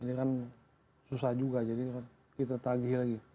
ini kan susah juga jadi kita tagih lagi